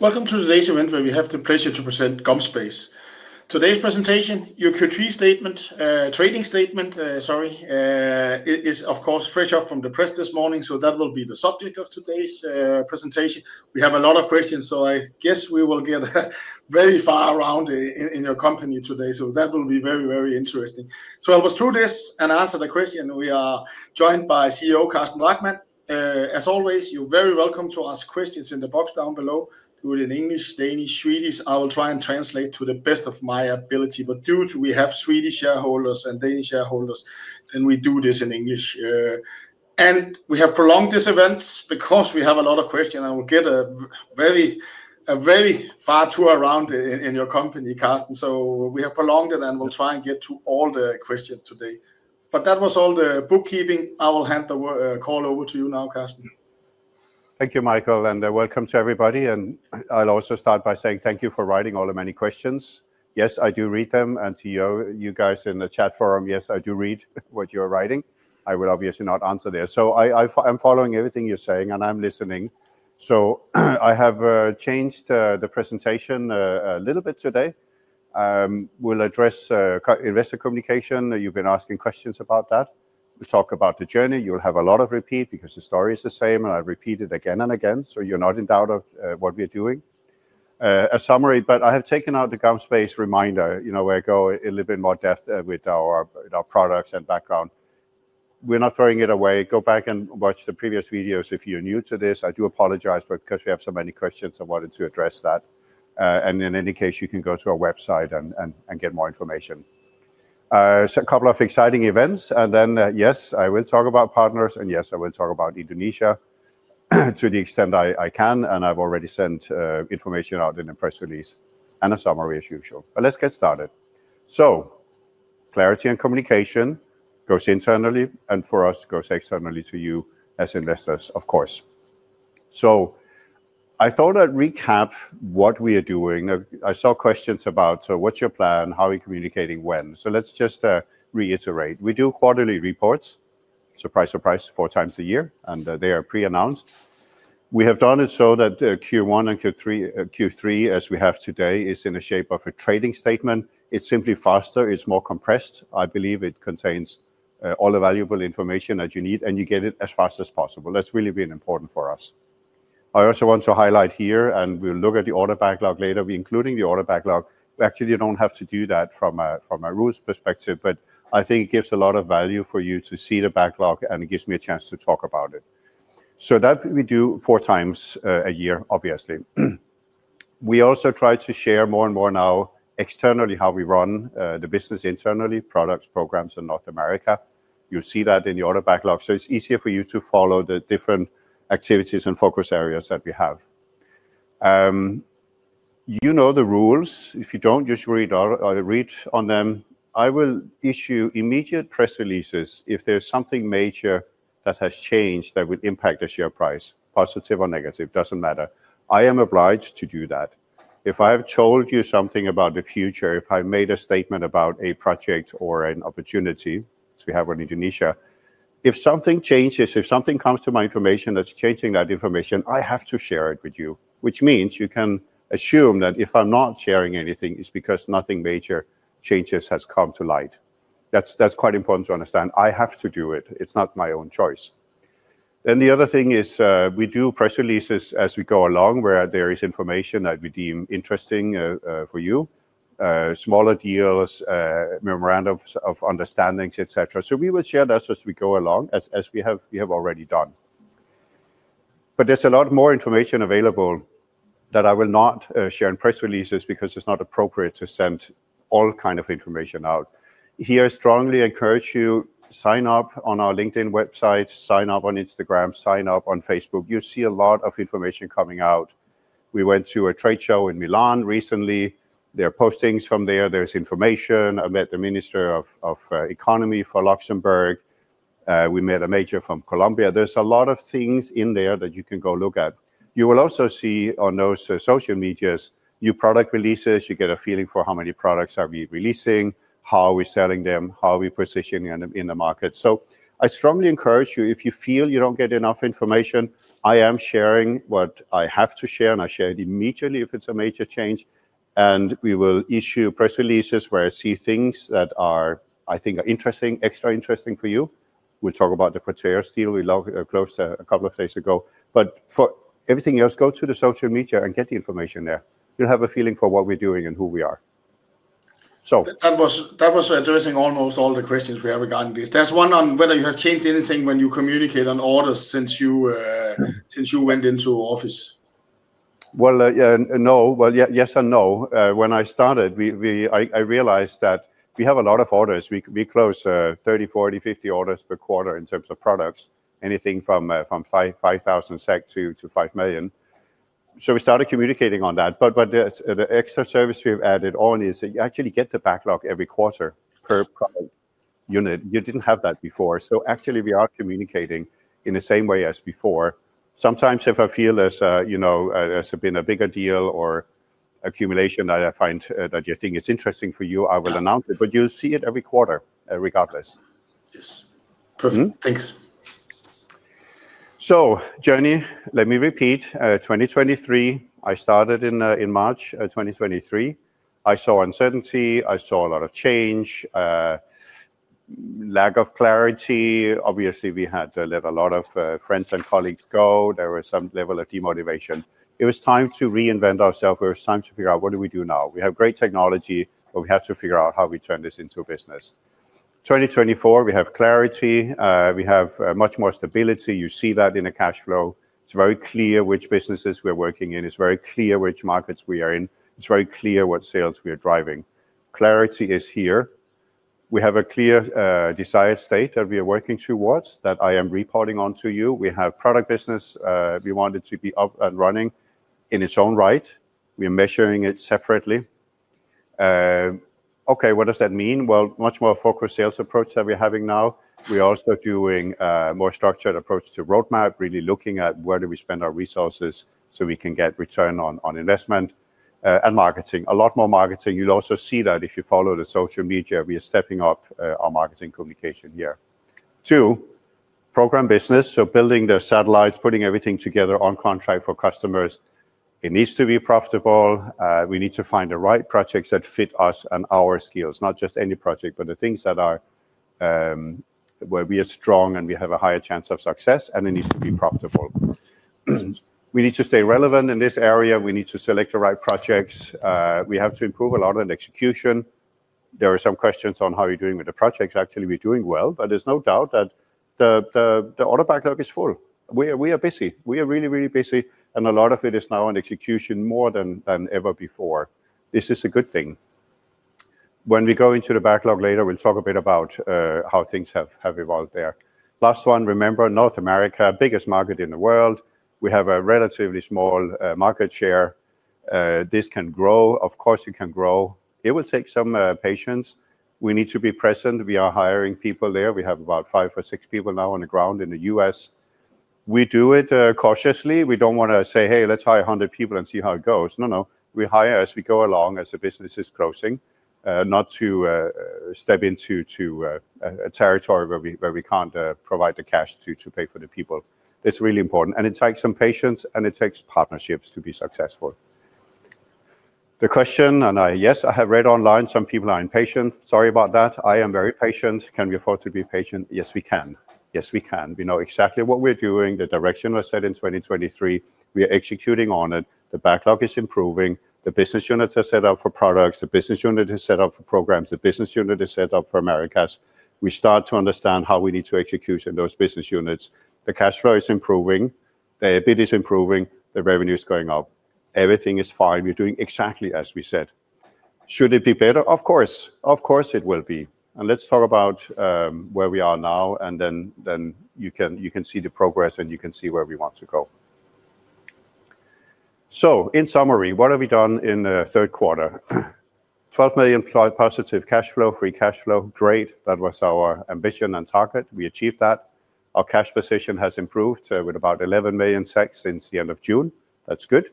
Welcome to today's event where we have the pleasure to present GomSpace. Today's presentation, your Q3 trading statement, is of course fresh out from the press this morning, so that will be the subject of today's presentation. We have a lot of questions, so I guess we will get very far around in your company today. That will be very interesting. To guide us through this and answer the question, we are joined by CEO Carsten Drachmann. As always, you're very welcome to ask questions in the box down below. Do it in English, Danish, Swedish. I will try and translate to the best of my ability, but due to we have Swedish shareholders and Danish shareholders. We do this in English. We have prolonged this event because we have a lot of questions and we'll get a very far tour around in your company, Carsten. We have prolonged it and we'll try and get to all the questions today. That was all the bookkeeping. I will hand the call over to you now, Carsten. Thank you, Michael, and welcome to everybody. I'll also start by saying thank you for writing all the many questions. Yes, I do read them, and to you guys in the chat forum, yes, I do read what you're writing. I will obviously not answer there. I'm following everything you're saying, and I'm listening. I have changed the presentation a little bit today. We'll address investor communication. You've been asking questions about that. We'll talk about the journey. You'll have a lot of repeat because the story is the same, and I repeat it again and again, so you're not in doubt of what we are doing. A summary, but I have taken out the GomSpace reminder, where I go a little bit more in-depth with our products and background. We're not throwing it away. Go back and watch the previous videos if you're new to this. I do apologize, but because we have so many questions, I wanted to address that. In any case, you can go to our website and get more information. A couple of exciting events, and then, yes, I will talk about partners, and yes, I will talk about Indonesia to the extent I can, and I've already sent information out in a press release and a summary as usual. Let's get started. Clarity and communication goes internally and for us goes externally to you as investors, of course. I thought I'd recap what we are doing. I saw questions about, so what's your plan? How are we communicating when? Let's just reiterate. We do quarterly reports. Surprise, four times a year, and they are pre-announced. We have done it so that Q1 and Q3, as we have today, is in the shape of a trading statement. It's simply faster, it's more compressed. I believe it contains all the valuable information that you need, and you get it as fast as possible. That's really been important for us. I also want to highlight here, and we'll look at the order backlog later. We actually don't have to do that from a rules perspective, but I think it gives a lot of value for you to see the backlog, and it gives me a chance to talk about it. That we do four times a year obviously. We also try to share more and more now externally how we run the business internally, products, programs in North America. You see that in the order backlog. It's easier for you to follow the different activities and focus areas that we have. You know the rules. If you don't, just read on them. I will issue immediate press releases if there's something major that has changed that would impact the share price, positive or negative, doesn't matter. I am obliged to do that. If I've told you something about the future, if I made a statement about a project or an opportunity, as we have on Indonesia, if something changes, if something comes to my information that's changing that information, I have to share it with you. Which means you can assume that if I'm not sharing anything, it's because nothing major changes has come to light. That's quite important to understand. I have to do it. It's not my own choice. The other thing is, we do press releases as we go along where there is information I deem interesting for you. Smaller deals, memorandums of understandings, et cetera. We will share that as we go along, as we have already done. There's a lot more information available that I will not share in press releases because it's not appropriate to send all kind of information out. Here, I strongly encourage you, sign up on our LinkedIn website, sign up on Instagram, sign up on Facebook. You see a lot of information coming out. We went to a trade show in Milan recently. There are postings from there. There's information. I met the minister of economy for Luxembourg. We met a major from Colombia. There's a lot of things in there that you can go look at. You will also see on those social medias new product releases. You get a feeling for how many products are we releasing, how are we selling them, how are we positioning them in the market. I strongly encourage you, if you feel you don't get enough information, I am sharing what I have to share, and I share it immediately if it's a major change. We will issue press releases where I see things that I think are extra interesting for you. We'll talk about the [Critair] deal we closed a couple of days ago. For everything else, go to the social media and get the information there. You'll have a feeling for what we're doing and who we are. That was addressing almost all the questions we have regarding this. There's one on whether you have changed anything when you communicate on orders since you went into office. Well, yes and no. When I started, I realized that we have a lot of orders. We close 30, 40, 50 orders per quarter in terms of products. Anything from 5,000 SEK to 5 million. We started communicating on that. The extra service we've added on is that you actually get the backlog every quarter per unit. You didn't have that before. Actually we are communicating in the same way as before. Sometimes if I feel there's been a bigger deal or accumulation that I find that you think it's interesting for you, I will announce it, but you'll see it every quarter, regardless. Yes. Perfect. Thanks. Journey, let me repeat, 2023, I started in March 2023. I saw uncertainty. I saw a lot of change, lack of clarity. Obviously, we had to let a lot of friends and colleagues go. There was some level of demotivation. It was time to reinvent ourselves. It was time to figure out what do we do now. We have great technology, but we have to figure out how we turn this into a business. 2024, we have clarity. We have much more stability. You see that in the cash flow. It's very clear which businesses we're working in. It's very clear which markets we are in. It's very clear what sales we are driving. Clarity is here. We have a clear desired state that we are working towards that I am reporting on to you. We have product business. We want it to be up and running in its own right. We are measuring it separately. Okay, what does that mean? Much more focused sales approach that we're having now. We're also doing a more structured approach to roadmap, really looking at where do we spend our resources so we can get return on investment and marketing. A lot more marketing. You'll also see that if you follow the social media, we are stepping up our marketing communication here. 2, program business, so building the satellites, putting everything together on contract for customers. It needs to be profitable. We need to find the right projects that fit us and our skills. Not just any project, but the things where we are strong, and we have a higher chance of success, and it needs to be profitable. We need to stay relevant in this area. We need to select the right projects. We have to improve a lot on execution. There are some questions on how you're doing with the projects. Actually, we're doing well, there's no doubt that the order backlog is full. We are busy. We are really busy, a lot of it is now on execution more than ever before. This is a good thing. When we go into the backlog later, we'll talk a bit about how things have evolved there. Last one, remember North America, biggest market in the world. We have a relatively small market share. This can grow. Of course, it can grow. It will take some patience. We need to be present. We are hiring people there. We have about five or six people now on the ground in the U.S. We do it cautiously. We don't want to say, "Hey, let's hire 100 people and see how it goes." No, no. We hire as we go along, as the business is closing. Not to step into a territory where we can't provide the cash to pay for the people. It's really important, and it takes some patience, and it takes partnerships to be successful. The question, and yes, I have read online some people are impatient. Sorry about that. I am very patient. Can we afford to be patient? Yes, we can. Yes, we can. We know exactly what we're doing. The direction was set in 2023. We are executing on it. The backlog is improving. The business units are set up for products. The business unit is set up for programs. The business unit is set up for Americas. We start to understand how we need to execute in those business units. The cash flow is improving. The EBIT is improving. The revenue's going up. Everything is fine. We're doing exactly as we said. Should it be better? Of course. Of course, it will be. Let's talk about where we are now, and then you can see the progress, and you can see where we want to go. In summary, what have we done in the third quarter? 12 million positive cash flow, free cash flow. Great. That was our ambition and target. We achieved that. Our cash position has improved with about 11 million since the end of June. That's good.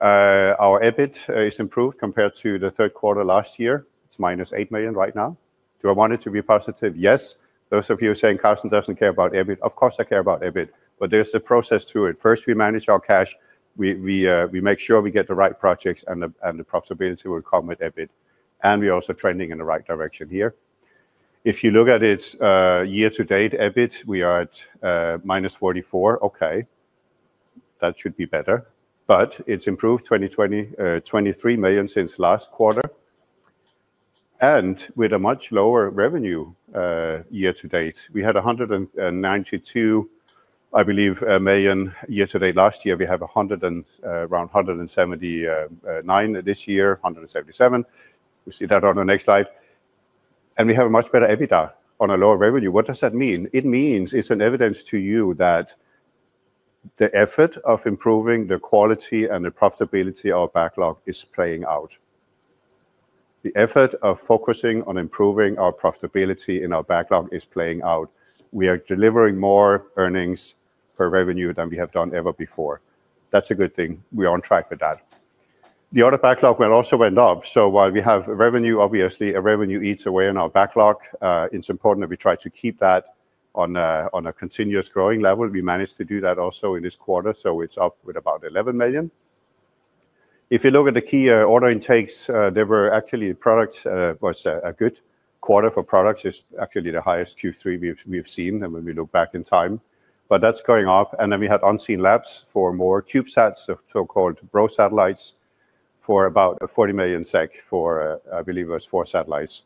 Our EBIT is improved compared to the third quarter last year. It's minus 8 million right now. Do I want it to be positive? Yes. Those of you saying Carsten doesn't care about EBIT, of course, I care about EBIT, but there's a process to it. First, we manage our cash. We make sure we get the right projects, and the profitability will come with EBIT, and we are also trending in the right direction here. If you look at its year-to-date EBIT, we are at minus 44. Okay. That should be better, but it's improved 23 million since last quarter and with a much lower revenue year-to-date. We had 192, I believe, million year-to-date last year. We have around 179 this year, 177. We see that on the next slide, and we have a much better EBITDA on a lower revenue. What does that mean? It means it's an evidence to you that the effort of improving the quality and the profitability of our backlog is playing out. The effort of focusing on improving our profitability in our backlog is playing out. We are delivering more earnings per revenue than we have done ever before. That's a good thing. We are on track with that. The order backlog will also end up. While we have revenue, obviously, a revenue eats away in our backlog. It's important that we try to keep that on a continuous growing level. We managed to do that also in this quarter. It's up with about 11 million. If you look at the key order intakes, they were actually product was a good quarter for products. It's actually the highest Q3 we've seen than when we look back in time. That's going up. We had Unseenlabs for more CubeSats, so-called BRO satellites, for about 40 million SEK for, I believe it was four satellites.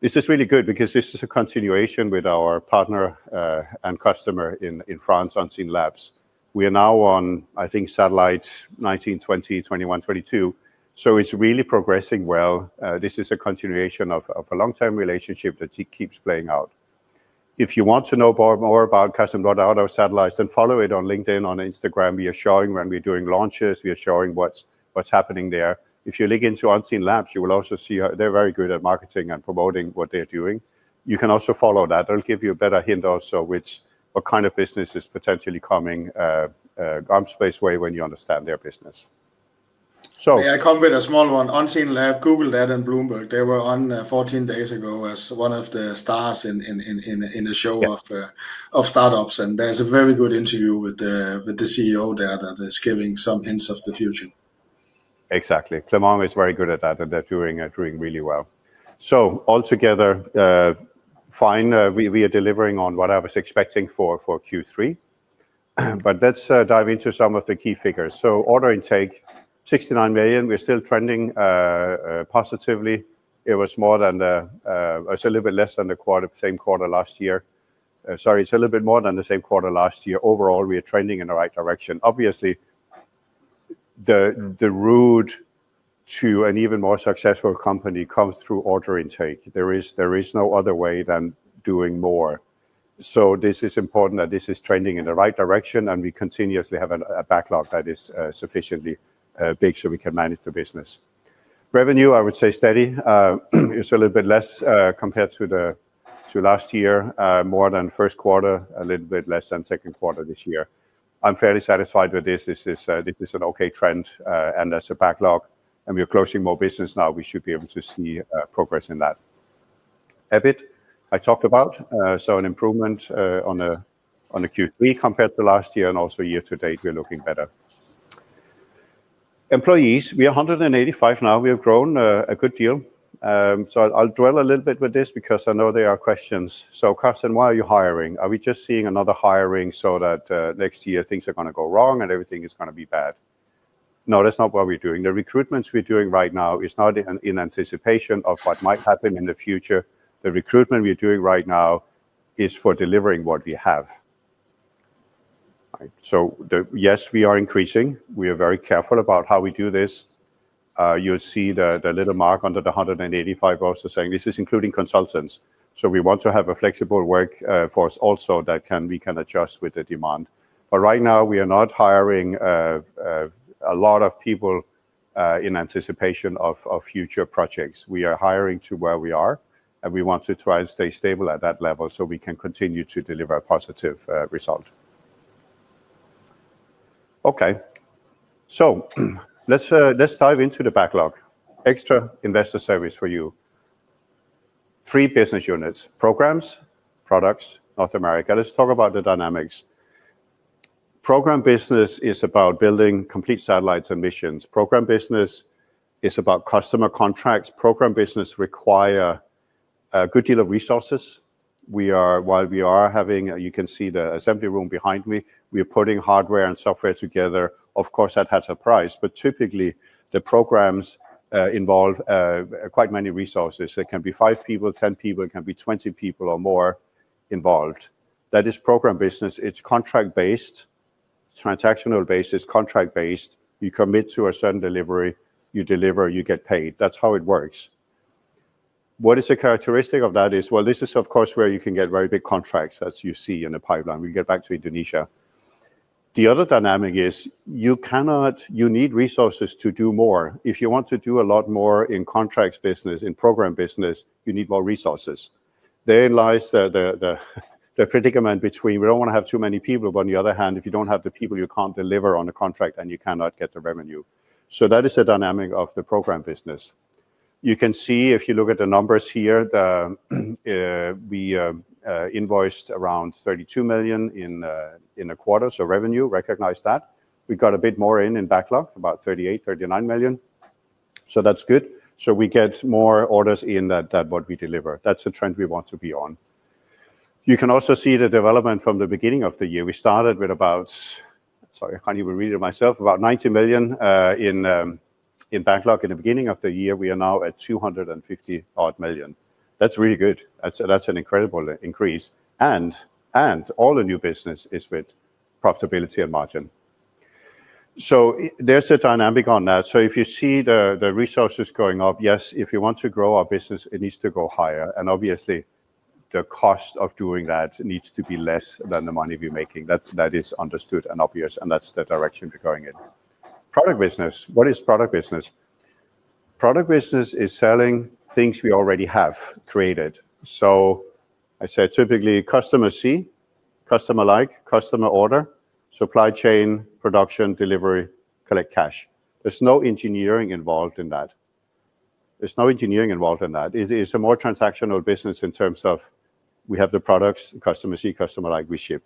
This is really good because this is a continuation with our partner and customer in France, Unseenlabs. We are now on, I think, satellite 19, 20, 21, 22. It's really progressing well. This is a continuation of a long-term relationship that keeps playing out. If you want to know more about [Carsten Brodersen] satellites, follow it on LinkedIn, on Instagram. We are showing when we're doing launches. We are showing what's happening there. If you look into Unseenlabs, you will also see they're very good at marketing and promoting what they're doing. You can also follow that. It'll give you a better hint also which what kind of business is potentially coming GomSpace way when you understand their business. Yeah, I come with a small one. Unseenlabs, Google that and Bloomberg. They were on 14 days ago as one of the stars in the show of startups, and there's a very good interview with the CEO there that is giving some hints of the future. Exactly. Clément is very good at that, and they're doing really well. Altogether, fine. We are delivering on what I was expecting for Q3. Let's dive into some of the key figures. Order intake, 69 million. We're still trending positively. It was a little bit less than the same quarter last year. Sorry, it's a little bit more than the same quarter last year. Overall, we are trending in the right direction. Obviously, the route to an even more successful company comes through order intake. There is no other way than doing more. This is important that this is trending in the right direction and we continuously have a backlog that is sufficiently big so we can manage the business. Revenue, I would say steady. It's a little bit less compared to last year, more than first quarter, a little bit less than second quarter this year. I'm fairly satisfied with this. This is an okay trend. There's a backlog, and we are closing more business now. We should be able to see progress in that. EBIT, I talked about. An improvement on the Q3 compared to last year and also year to date, we are looking better. Employees, we are 185 now. We have grown a good deal. I'll dwell a little bit with this because I know there are questions. Carsten, why are you hiring? Are we just seeing another hiring so that next year things are going to go wrong and everything is going to be bad? No, that's not what we're doing. The recruitments we're doing right now is not in anticipation of what might happen in the future. The recruitment we are doing right now is for delivering what we have. Yes, we are increasing. We are very careful about how we do this. You'll see the little mark under the 185 also saying this is including consultants. We want to have a flexible workforce also that we can adjust with the demand. Right now we are not hiring a lot of people in anticipation of future projects. We are hiring to where we are, and we want to try and stay stable at that level so we can continue to deliver a positive result. Okay. Let's dive into the backlog. Extra investor service for you. Three business units, programs, products, North America. Let's talk about the dynamics. Program business is about building complete satellites and missions. Program business is about customer contracts. Program business require a good deal of resources. You can see the assembly room behind me. We are putting hardware and software together. Of course, that has a price, but typically the programs involve quite many resources. It can be five people, 10 people, it can be 20 people or more involved. That is program business. It's contract-based, transactional basis, contract-based. You commit to a certain delivery, you deliver, you get paid. That's how it works. What is the characteristic of that is, well, this is of course where you can get very big contracts, as you see in the pipeline. We get back to Indonesia. The other dynamic is you need resources to do more. If you want to do a lot more in contracts business, in program business, you need more resources. There lies the predicament between we don't want to have too many people, but on the other hand, if you don't have the people, you can't deliver on the contract and you cannot get the revenue. That is the dynamic of the program business. You can see, if you look at the numbers here, we invoiced around 32 million in a quarter. Revenue, recognize that. We got a bit more in backlog, about 38 million-39 million. That's good. We get more orders in than what we deliver. That's the trend we want to be on. You can also see the development from the beginning of the year. We started with about, sorry, I can't even read it myself, about 90 million in backlog in the beginning of the year. We are now at 250 odd million. That's really good. That's an incredible increase. All the new business is with profitability and margin. There's a dynamic on that. If you see the resources going up, yes, if we want to grow our business, it needs to go higher, and obviously the cost of doing that needs to be less than the money we're making. That is understood and obvious, and that's the direction we're going in. Product business. What is product business? Product business is selling things we already have created. I say typically customer see, customer like, customer order, supply chain, production, delivery, collect cash. There's no engineering involved in that. It's a more transactional business in terms of we have the products, customer see, customer like, we ship.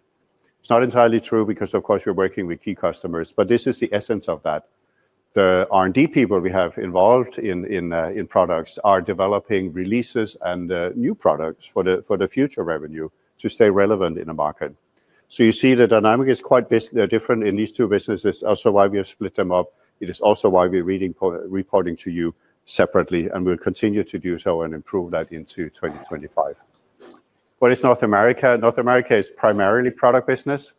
It's not entirely true because of course we're working with key customers, but this is the essence of that. The R&D people we have involved in products are developing releases and new products for the future revenue to stay relevant in the market. You see the dynamic is quite different in these two businesses. Why we have split them up. It is also why we're reporting to you separately, and we'll continue to do so and improve that into 2025. What is North America? North America is primarily product business.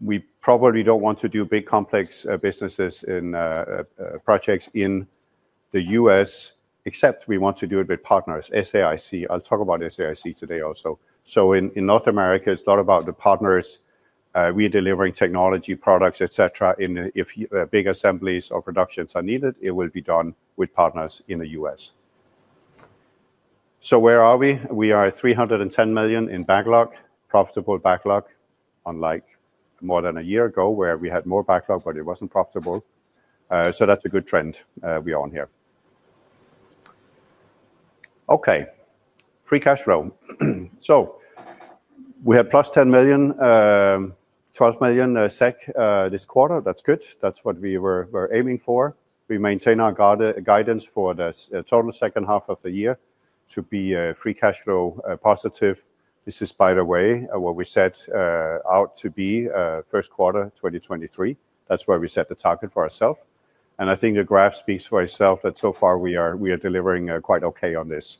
We probably don't want to do big complex businesses in projects in the U.S. except we want to do it with partners, SAIC. I'll talk about SAIC today also. In North America, it's a lot about the partners. We are delivering technology products, et cetera. If big assemblies or productions are needed, it will be done with partners in the U.S. Where are we? We are 310 million in backlog, profitable backlog, unlike more than a year ago where we had more backlog. It wasn't profitable. That's a good trend we are on here. Okay. Free cash flow. We have +12 million SEK this quarter. That's good. That's what we were aiming for. We maintain our guidance for the total second half of the year to be free cash flow positive. This is, by the way, what we set out to be first quarter 2023. That's where we set the target for ourselves. I think the graph speaks for itself that so far we are delivering quite okay on this.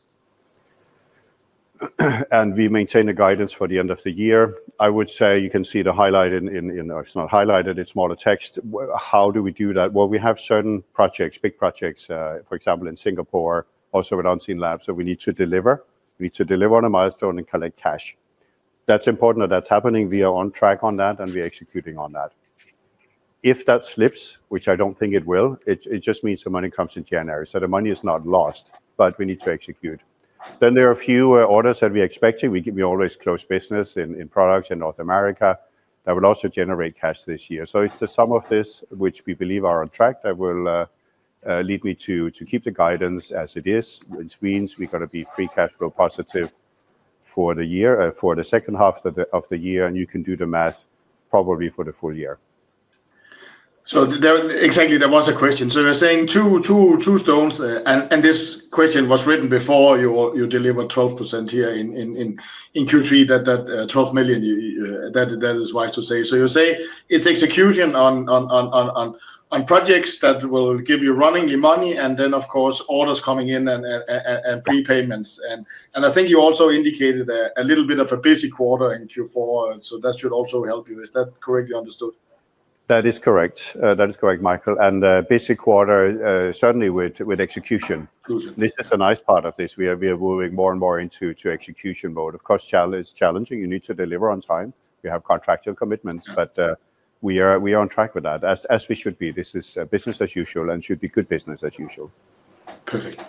We maintain the guidance for the end of the year. I would say you can see the highlight in. It's not highlighted, it's more the text. How do we do that? We have certain projects, big projects, for example, in Singapore, also with Unseenlabs. We need to deliver. We need to deliver on a milestone and collect cash. That's important that that's happening. We are on track on that, and we are executing on that. If that slips, which I don't think it will, it just means the money comes in January. The money is not lost, but we need to execute. There are a few orders that we expected. We always close business in products in North America that will also generate cash this year. It's the sum of this, which we believe are on track. That will lead me to keep the guidance as it is, which means we've got to be free cash flow positive for the second half of the year, and you can do the math, probably for the full year. Exactly, there was a question. You're saying two stones, and this question was written before you delivered 12% here in Q3, that 12 million, that is wise to say. You say it's execution on projects that will give you running your money, and then, of course, orders coming in and prepayments. I think you also indicated a little bit of a busy quarter in Q4, that should also help you. Is that correctly understood? That is correct, Michael. A busy quarter, certainly with execution. Execution. This is a nice part of this. We are moving more and more into execution mode. Of course, challenging. You need to deliver on time. We have contractual commitments, but we are on track with that, as we should be. This is business as usual and should be good business as usual. Perfect.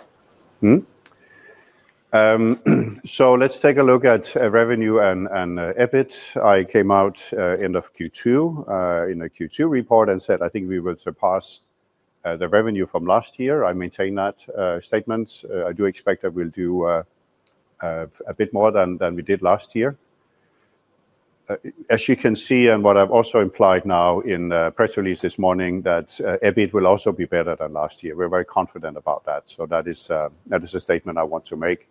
Let's take a look at revenue and EBIT. I came out end of Q2 in the Q2 report and said, I think we will surpass the revenue from last year. I maintain that statement. I do expect that we'll do a bit more than we did last year. As you can see, and what I've also implied now in the press release this morning, that EBIT will also be better than last year. We're very confident about that. That is a statement I want to make.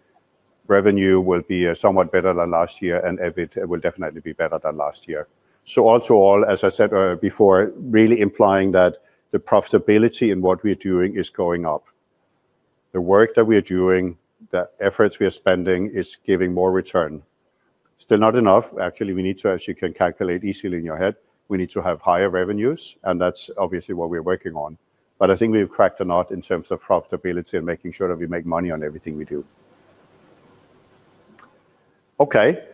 Revenue will be somewhat better than last year, and EBIT will definitely be better than last year. All to all, as I said before, really implying that the profitability in what we are doing is going up. The work that we are doing, the efforts we are spending is giving more return. Still not enough. Actually, we need to, as you can calculate easily in your head, we need to have higher revenues. That's obviously what we're working on. I think we've cracked a nut in terms of profitability and making sure that we make money on everything we do. Okay.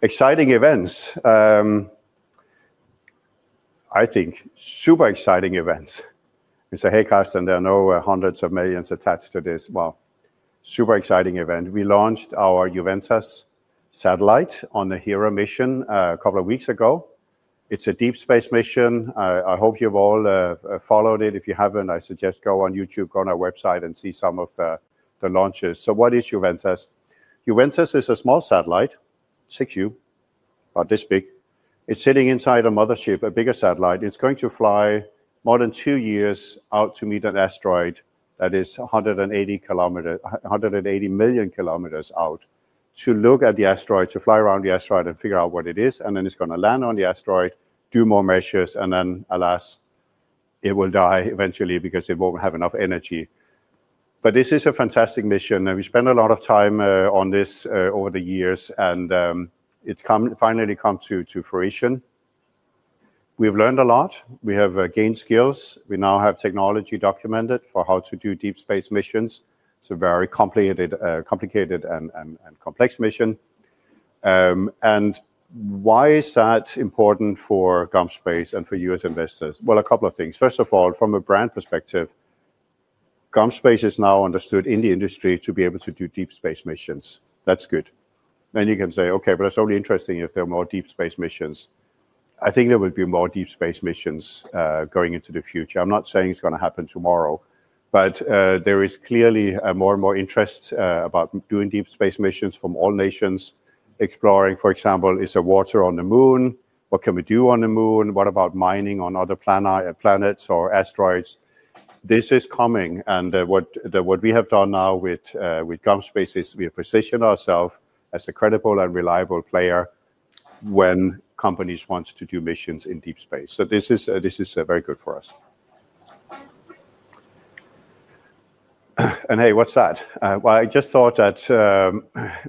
Exciting events. I think super exciting events. You say, "Hey, Carsten, there are no hundreds of millions SEK attached to this." Well, super exciting event. We launched our Juventas satellite on the Hera mission a couple of weeks ago. It's a deep space mission. I hope you've all followed it. If you haven't, I suggest go on youtube, go on our website and see some of the launches. What is Juventas? Juventas is a small satellite, 6U, about this big. It's sitting inside a mothership, a bigger satellite. It's going to fly more than two years out to meet an asteroid that is 180 million kilometers out, to look at the asteroid, to fly around the asteroid and figure out what it is. Then it's going to land on the asteroid, do more measures, and then alas, it will die eventually because it won't have enough energy. This is a fantastic mission, and we spent a lot of time on this over the years, and it finally come to fruition. We've learned a lot. We have gained skills. We now have technology documented for how to do deep space missions. It's a very complicated and complex mission. Why is that important for GomSpace and for you as investors? A couple of things. First of all, from a brand perspective, GomSpace is now understood in the industry to be able to do deep space missions. That's good. You can say, okay, but it's only interesting if there are more deep space missions. I think there will be more deep space missions, going into the future. I'm not saying it's going to happen tomorrow, there is clearly more and more interest about doing deep space missions from all nations exploring, for example, is there water on the Moon? What can we do on the Moon? What about mining on other planets or asteroids? This is coming, what we have done now with GomSpace is we have positioned ourself as a credible and reliable player when companies want to do missions in deep space. This is very good for us. Hey, what's that? I just thought that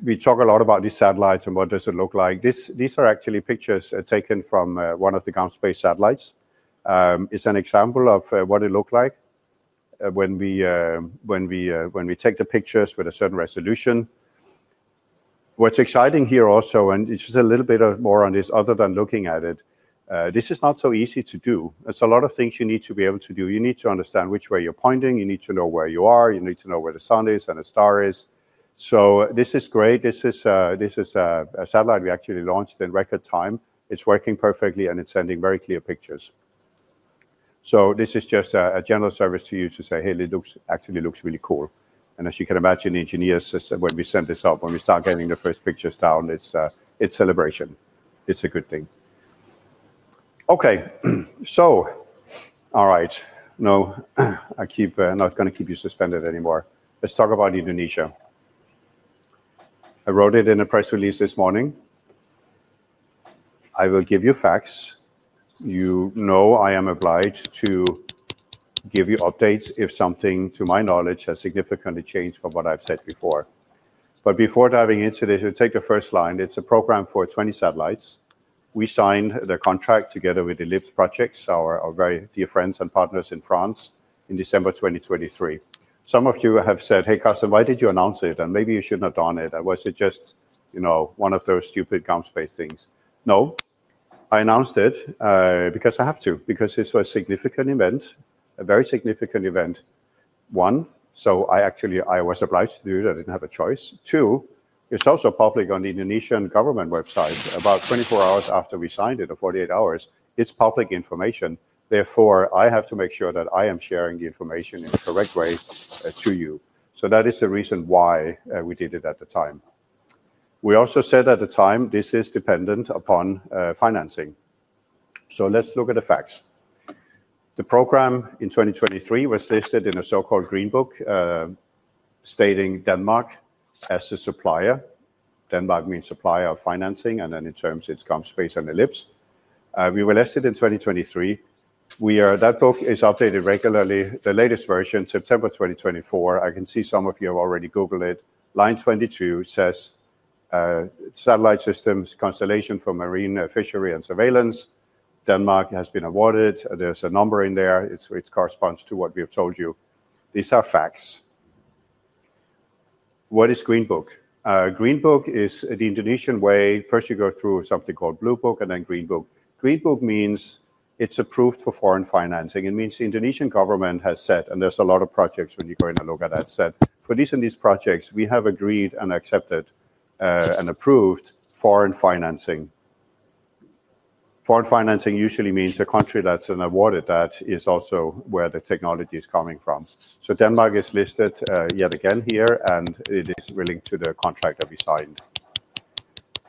we talk a lot about these satellites and what does it look like. These are actually pictures taken from one of the GomSpace satellites. It's an example of what it looked like when we take the pictures with a certain resolution. What's exciting here also, and it's just a little bit of more on this other than looking at it, this is not so easy to do. There's a lot of things you need to be able to do. You need to understand which way you're pointing. You need to know where you are. You need to know where the sun is and a star is. This is great. This is a satellite we actually launched in record time. It's working perfectly, and it's sending very clear pictures. This is just a general service to you to say, "Hey, it actually looks really cool." As you can imagine, engineers, when we send this up, when we start getting the first pictures down, it's celebration. It's a good thing. Okay. All right. I'm not going to keep you suspended anymore. Let's talk about Indonesia. I wrote it in a press release this morning. I will give you facts. You know I am obliged to give you updates if something, to my knowledge, has significantly changed from what I've said before. Before diving into this, you take the first line, it's a program for 20 satellites. We signed the contract together with the Ellipse Projects, our very dear friends and partners in France in December 2023. Some of you have said, "Hey, Carsten, why did you announce it? Maybe you should not done it. Was it just one of those stupid GomSpace things?" No. I announced it, because I have to, because this was a significant event, a very significant event. I actually, I was obliged to do that. I didn't have a choice. Two, it's also public on the Indonesian government website about 24 hours after we signed it, or 48 hours. It's public information. I have to make sure that I am sharing the information in the correct way to you. That is the reason why we did it at the time. We also said at the time, this is dependent upon financing. Let's look at the facts. The program in 2023 was listed in a so-called Green Book, stating Denmark as the supplier. Denmark means supplier of financing, and then in terms it's GomSpace and Ellipse. We were listed in 2023. That book is updated regularly. The latest version, September 2024, I can see some of you have already Googled it. Line 22 says, "Satellite systems constellation for marine fishery and surveillance. Denmark has been awarded." There's a number in there. It corresponds to what we have told you. These are facts. What is Green Book? Green Book is the Indonesian way. First, you go through something called Blue Book and then Green Book. Green Book means it's approved for foreign financing. It means the Indonesian government has said, and there's a lot of projects when you go in and look at that, said, "For these and these projects, we have agreed and accepted, and approved foreign financing." Foreign financing usually means the country that's awarded that is also where the technology is coming from. Denmark is listed, yet again here, and it is linked to the contract that we signed.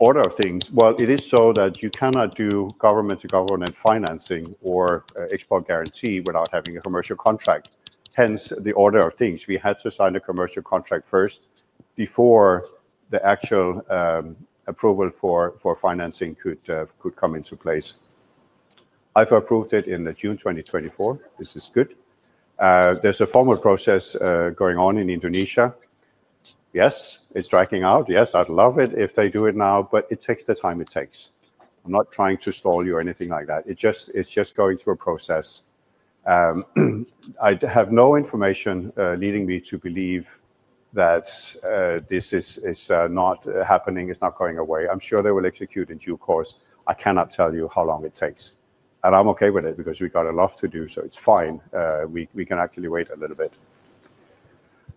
Order of things. It is so that you cannot do government-to-government financing or export guarantee without having a commercial contract, hence the order of things. We had to sign a commercial contract first before the actual approval for financing could come into place. EIFO approved it in June 2024. This is good. There's a formal process going on in Indonesia. Yes, it's dragging out. Yes, I'd love it if they do it now, but it takes the time it takes. I'm not trying to stall you or anything like that. It's just going through a process. I have no information leading me to believe that this is not happening, it's not going away. I'm sure they will execute in due course. I cannot tell you how long it takes. I'm okay with it because we got a lot to do, so it's fine. We can actually wait a little bit.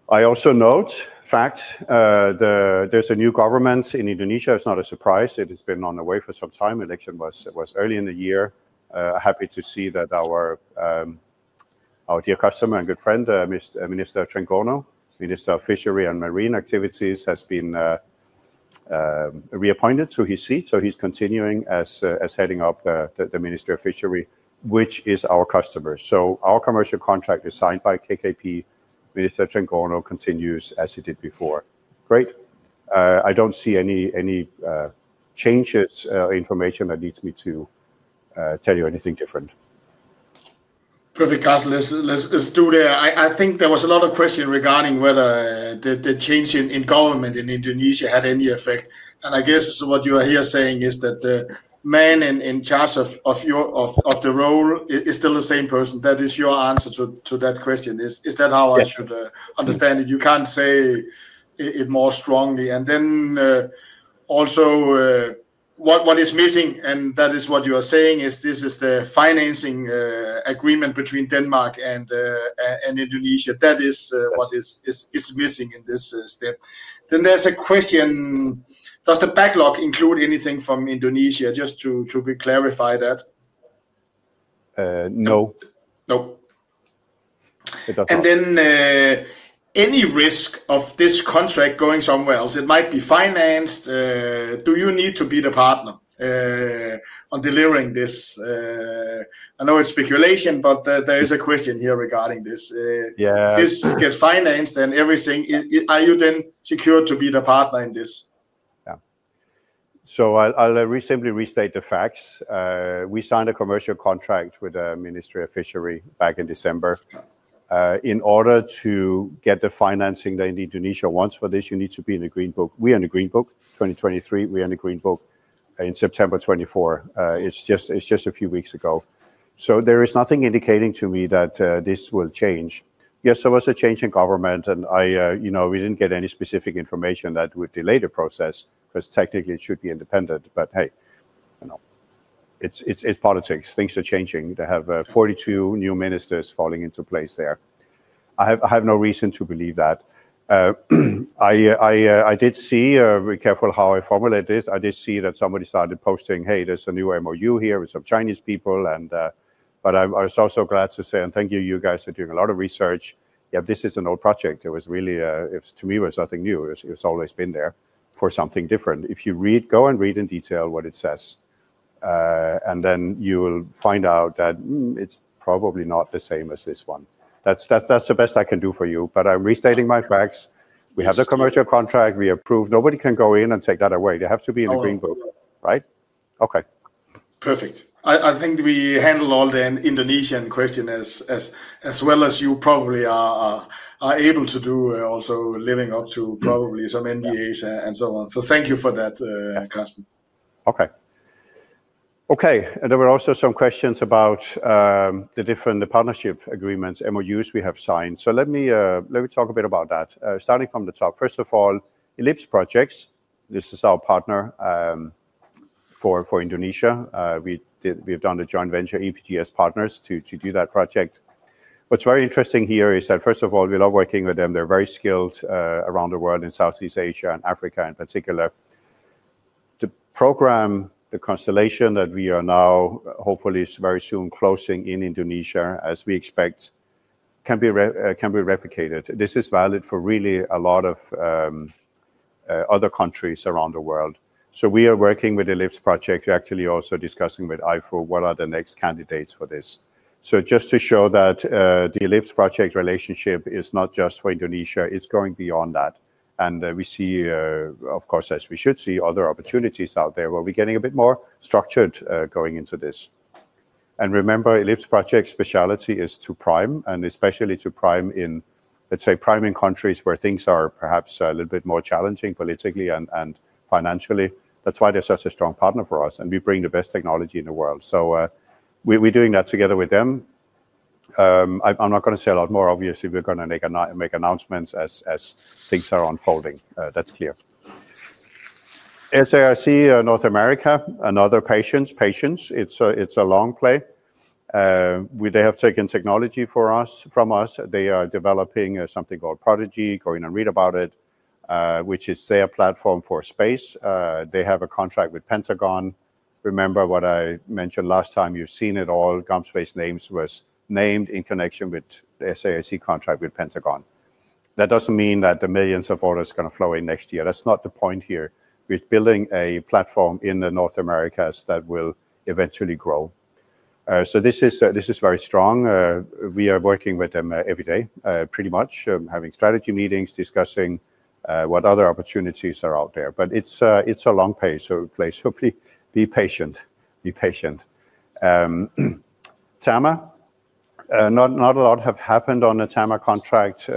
I also note, fact, there's a new government in Indonesia. It's not a surprise. It has been on the way for some time. Election was early in the year. Happy to see that our dear customer and good friend, Minister Trenggono, Minister of Fishery and Marine Activities, has been reappointed to his seat. He's continuing as heading up the Ministry of Fishery, which is our customer. Our commercial contract is signed by KKP. Minister Trenggono continues as he did before. Great. I don't see any changes, information that leads me to tell you anything different. Perfect, Carsten. I think there was a lot of question regarding whether the change in government in Indonesia had any effect. I guess what you are here saying is that the man in charge of the role is still the same person. That is your answer to that question. Yes understand it? You can't say it more strongly. Also, what is missing, and that is what you are saying is this is the financing agreement between Denmark and Indonesia. That is what is missing in this step. There's a question, does the backlog include anything from Indonesia? Just to be clarified that. No. No. It got out. Any risk of this contract going somewhere else? It might be financed. Do you need to be the partner on delivering this? I know it's speculation, but there is a question here regarding this. Yeah. This gets financed and everything, are you then secure to be the partner in this? Yeah. I'll recently restate the facts. We signed a commercial contract with the Ministry of Marine Affairs and Fisheries back in December. In order to get the financing that Indonesia wants for this, you need to be in the Green Book. We are in the Green Book. 2023, we are in the Green Book in September 2024. It's just a few weeks ago. There is nothing indicating to me that this will change. Yes, there was a change in government, and we didn't get any specific information that would delay the process because technically it should be independent. Hey, it's politics. Things are changing. They have 42 new ministers falling into place there. I have no reason to believe that. I did see, very careful how I formulate this, I did see that somebody started posting, "Hey, there's a new MOU here with some Chinese people." I was also glad to say, and thank you guys are doing a lot of research. Yeah, this is an old project. To me, it was nothing new. It's always been there for something different. If you go and read in detail what it says, and then you will find out that it's probably not the same as this one. That's the best I can do for you, but I'm restating my facts. Yes. We have the commercial contract we approved. Nobody can go in and take that away. They have to be in the Green Book. Oh. Right? Okay. Perfect. I think we handled all the Indonesian question as well as you probably are able to do also living up to probably some NDAs and so on. Thank you for that, Carsten. Okay. There were also some questions about the different partnership agreements, MOUs we have signed. Let me talk a bit about that. Starting from the top, first of all, Ellipse Projects, this is our partner for Indonesia. We have done a joint venture, EPGS Partners to do that project. What is very interesting here is that, first of all, we love working with them. They're very skilled around the world, in Southeast Asia and Africa in particular. The program, the constellation that we are now hopefully very soon closing in Indonesia, as we expect, can be replicated. This is valid for really a lot of other countries around the world. We are working with Ellipse Projects, actually also discussing with EIFO what are the next candidates for this. Just to show that the Ellipse Project relationship is not just for Indonesia, it's going beyond that. We see, of course, as we should see other opportunities out there where we're getting a bit more structured going into this. Remember, Ellipse Projects' specialty is to prime, and especially to prime in, let's say, priming countries where things are perhaps a little bit more challenging politically and financially. That's why they're such a strong partner for us, and we bring the best technology in the world. We're doing that together with them. I'm not going to say a lot more. Obviously, we're going to make announcements as things are unfolding. That's clear. SAIC North America, another patience. It's a long play. They have taken technology from us. They are developing something called Prodigy. Go in and read about it, which is their platform for space. They have a contract with Pentagon. Remember what I mentioned last time. You've seen it all. GomSpace was named in connection with the SAIC contract with Pentagon. That doesn't mean that the millions of orders are going to flow in next year. That's not the point here. We're building a platform in the North Americas that will eventually grow. This is very strong. We are working with them every day, pretty much, having strategy meetings, discussing what other opportunities are out there. It's a long play, so please be patient. Terma, not a lot have happened on the Terma contract.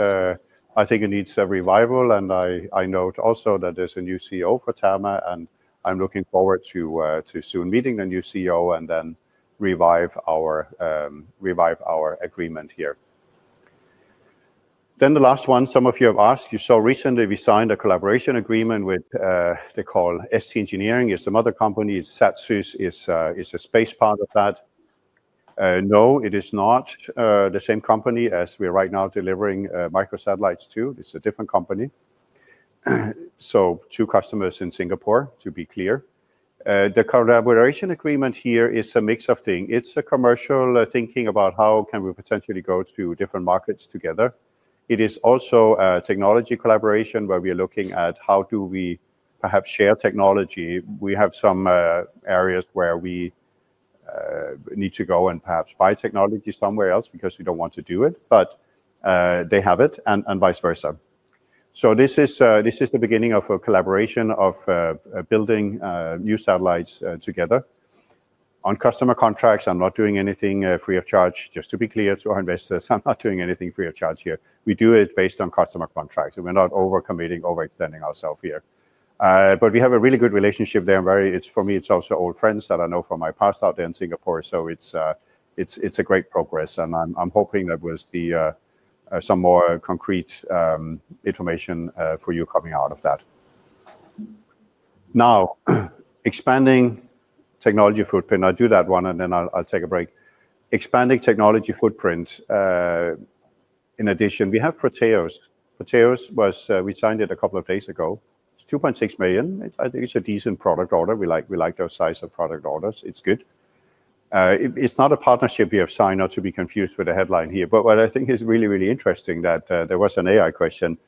I think it needs a revival, and I note also that there's a new CEO for Terma, and I'm looking forward to soon meeting the new CEO and then revive our agreement here. The last one, some of you have asked, you saw recently we signed a collaboration agreement with ST Engineering. It's some other company. SatSys is a space part of that. It is not the same company as we're right now delivering microsatellites to. It's a different company. Two customers in Singapore, to be clear. The collaboration agreement here is a mix of things. It's a commercial thinking about how can we potentially go to different markets together. It is also a technology collaboration where we are looking at how do we perhaps share technology. We have some areas where we need to go and perhaps buy technology somewhere else because we don't want to do it, but they have it and vice versa. This is the beginning of a collaboration of building new satellites together. On customer contracts, I'm not doing anything free of charge, just to be clear to our investors. I'm not doing anything free of charge here. We do it based on customer contracts, and we're not over-committing, overextending ourselves here. We have a really good relationship there. For me, it's also old friends that I know from my past out there in Singapore, so it's a great progress, and I'm hoping there was some more concrete information for you coming out of that. Now, expanding technology footprint. I'll do that one, and then I'll take a break. Expanding technology footprint. In addition, we have Proteus. Proteus, we signed it a couple of days ago. It's 2.6 million. I think it's a decent product order. We like those size of product orders. It's good. It's not a partnership we have signed, not to be confused with the headline here. What I think is really, really interesting that there was an AI question.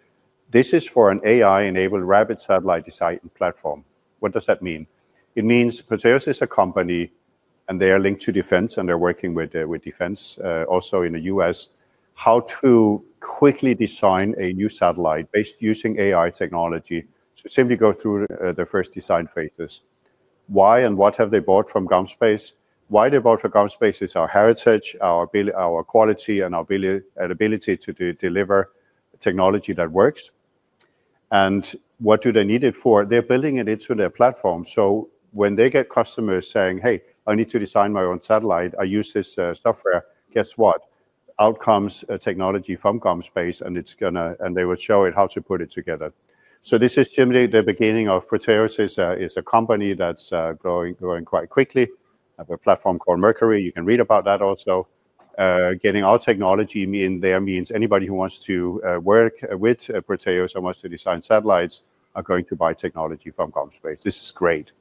This is for an AI-enabled rapid satellite design platform. What does that mean? It means Proteus is a company, and they are linked to defense, and they're working with defense also in the U.S., how to quickly design a new satellite based using AI technology to simply go through the first design phases. Why and what have they bought from GomSpace? Why they bought from GomSpace is our heritage, our quality, and our ability to deliver technology that works. What do they need it for? They're building it into their platform. When they get customers saying, "Hey, I need to design my own satellite. I use this software." Guess what? Out comes a technology from GomSpace, and they will show it how to put it together. This is generally the beginning of Proteus. It's a company that's growing quite quickly. They have a platform called MERCURY. You can read about that also. Getting our technology in there means anybody who wants to work with Proteus and wants to design satellites are going to buy technology from GomSpace. This is great.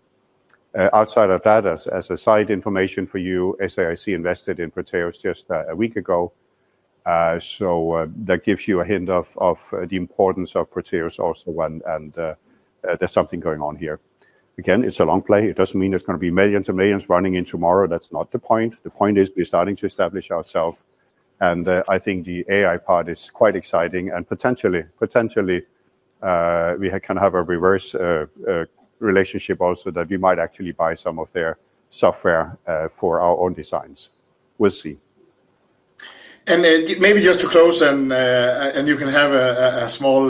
Outside of that, as a side information for you, SAIC invested in Proteus just a week ago. That gives you a hint of the importance of Proteus also, and there's something going on here. Again, it's a long play. It doesn't mean there's going to be millions and millions running in tomorrow. That's not the point. The point is we're starting to establish ourself, and I think the AI part is quite exciting and potentially we can have a reverse relationship also that we might actually buy some of their software for our own designs. We'll see. Maybe just to close and you can have a small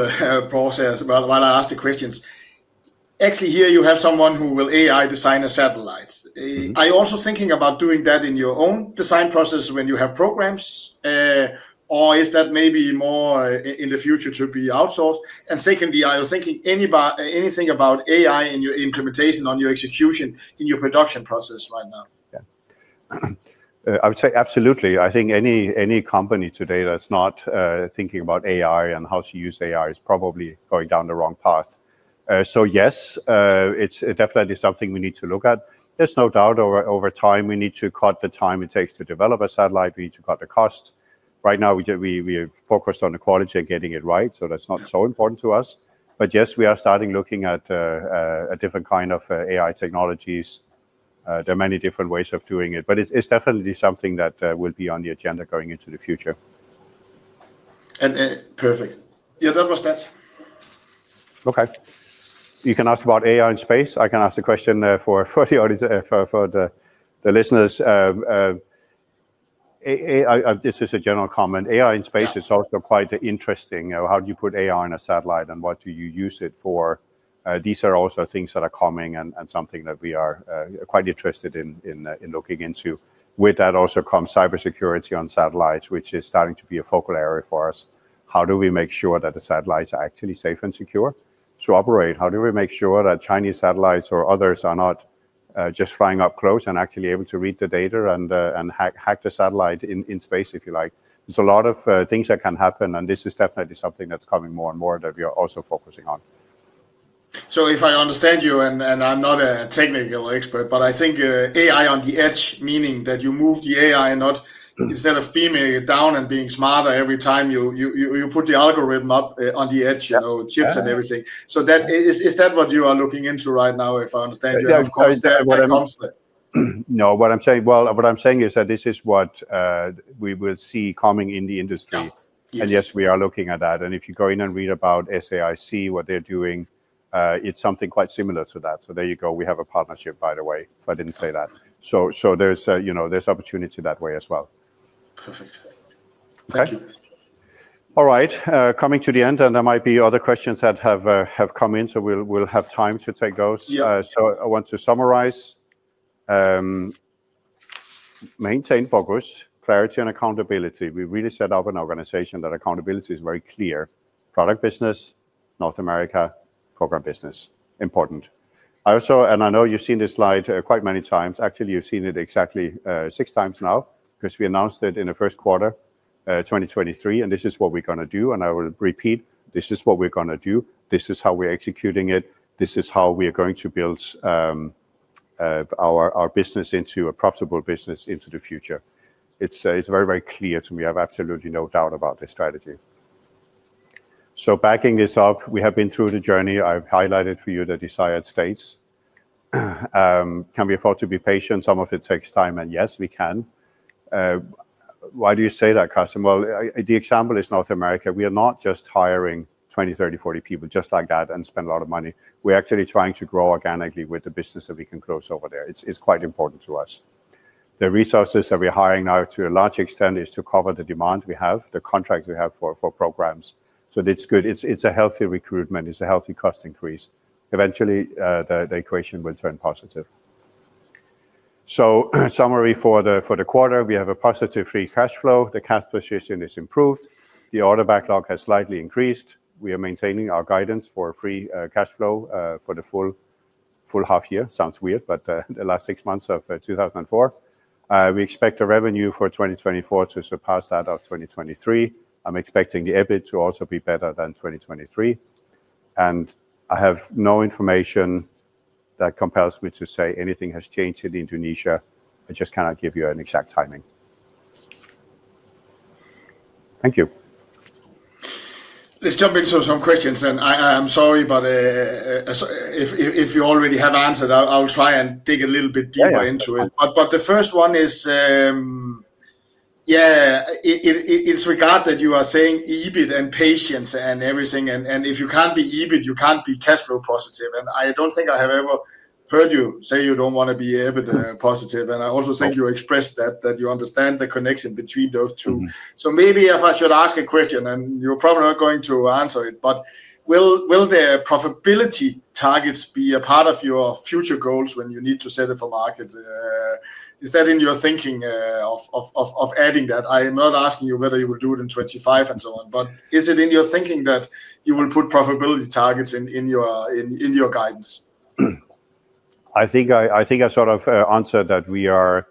process while I ask the questions. Here you have someone who will AI design a satellite. Are you also thinking about doing that in your own design process when you have programs? Is that maybe more in the future to be outsourced? Secondly, I was thinking anything about AI in your implementation, on your execution, in your production process right now? Yeah. I would say absolutely. I think any company today that's not thinking about AI and how to use AI is probably going down the wrong path. Yes, it's definitely something we need to look at. There's no doubt over time, we need to cut the time it takes to develop a satellite. We need to cut the cost. Right now, we are focused on the quality and getting it right, so that's not so important to us. Yes, we are starting looking at different kind of AI technologies. There are many different ways of doing it, but it's definitely something that will be on the agenda going into the future. Perfect. Yeah, that was that. Okay. You can ask about AI in space. I can ask a question for the listeners. This is a general comment. AI in space is also quite interesting. How do you put AI on a satellite, and what do you use it for? These are also things that are coming and something that we are quite interested in looking into. With that also comes cybersecurity on satellites, which is starting to be a focal area for us. How do we make sure that the satellites are actually safe and secure to operate? How do we make sure that Chinese satellites or others are not just flying up close and actually able to read the data and hack the satellite in space, if you like? There's a lot of things that can happen, and this is definitely something that's coming more and more that we are also focusing on. If I understand you, and I'm not a technical expert, but I think AI on the edge, meaning that you move the AI not instead of beaming it down and being smarter every time you put the algorithm up on the edge. Yeah chips and everything. Is that what you are looking into right now, if I understand you? Of course, that concept. What I'm saying is that this is what we will see coming in the industry. Yeah. Yes. Yes, we are looking at that. If you go in and read about SAIC, what they're doing, it's something quite similar to that. There you go. We have a partnership, by the way, if I didn't say that. There's opportunity that way as well. Perfect. Thank you. Okay. All right. Coming to the end, and there might be other questions that have come in, so we'll have time to take those. Yeah. I want to summarize. Maintain focus, clarity, and accountability. We really set up an organization that accountability is very clear. Product business, North America, program business, important. Also, and I know you've seen this slide quite many times. Actually, you've seen it exactly six times now because we announced it in the first quarter 2023, and this is what we're going to do, and I will repeat, this is what we're going to do. This is how we're executing it. This is how we are going to build our business into a profitable business into the future. It's very, very clear to me. I have absolutely no doubt about this strategy. Backing this up, we have been through the journey. I've highlighted for you the desired states. Can we afford to be patient? Some of it takes time, and yes, we can. Why do you say that, Carsten? Well, the example is North America. We are not just hiring 20, 30, 40 people just like that and spend a lot of money. We're actually trying to grow organically with the business that we can close over there. It's quite important to us. The resources that we're hiring now, to a large extent, is to cover the demand we have, the contracts we have for programs. It's good. It's a healthy recruitment. It's a healthy cost increase. Eventually, the equation will turn positive. Summary for the quarter, we have a positive free cash flow. The cash position is improved. The order backlog has slightly increased. We are maintaining our guidance for free cash flow for the full half year. Sounds weird, the last six months of 2024. We expect the revenue for 2024 to surpass that of 2023. I'm expecting the EBIT to also be better than 2023. I have no information that compels me to say anything has changed in Indonesia. I just cannot give you an exact timing. Thank you. Let's jump into some questions. I am sorry, but if you already have answered, I'll try and dig a little bit deeper into it. Yeah. The first one is, yeah, it's regard that you are saying EBIT and patience and everything, and if you can't be EBIT, you can't be cash flow positive. I don't think I have ever heard you say you don't want to be EBITDA positive, and I also think you expressed that you understand the connection between those two. Maybe if I should ask a question, and you're probably not going to answer it, but will the profitability targets be a part of your future goals when you need to set it for market? Is that in your thinking of adding that? I am not asking you whether you will do it in 2025 and so on, but is it in your thinking that you will put profitability targets in your guidance? I think I sort of answered that we are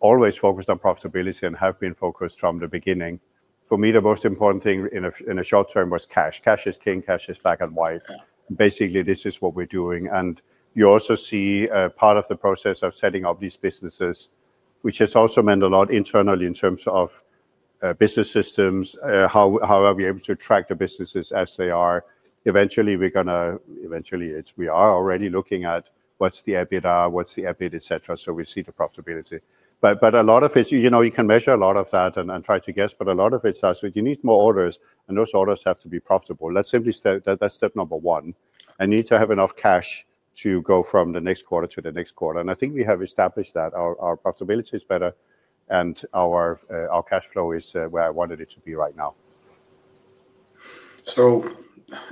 always focused on profitability and have been focused from the beginning. For me, the most important thing in the short term was cash. Cash is king. Cash is black and white. Yeah. Basically, this is what we're doing, and you also see part of the process of setting up these businesses, which has also meant a lot internally in terms of business systems, how are we able to track the businesses as they are. Eventually, we are already looking at what's the EBITDA, what's the EBIT, et cetera, so we see the profitability. A lot of it, you can measure a lot of that and try to guess, but a lot of it is that you need more orders, and those orders have to be profitable. That's step number one, and you need to have enough cash to go from the next quarter to the next quarter, and I think we have established that. Our profitability is better, and our cash flow is where I wanted it to be right now.